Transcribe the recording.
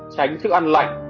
tránh thức ăn lạnh